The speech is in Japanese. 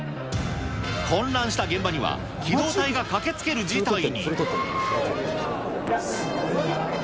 混乱した現場には、機動隊が駆けつける事態に。